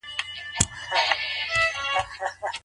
د طلاق حکم له کومو شيانو سره بدليږي؟